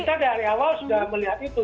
kita dari awal sudah melihat itu